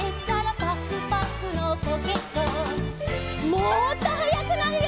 もっとはやくなるよ。